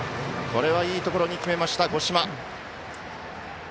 これはいいところに決めました、五島。